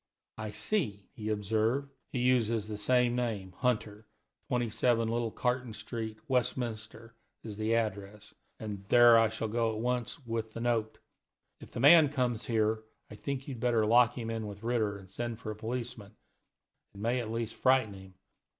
"I see," he observed, "he uses the same name, Hunter; 27 Little Carton Street, Westminster, is the address, and there I shall go at once with the note. If the man comes here, I think you had better lock him in with Ritter, and send for a policeman it may at least frighten him.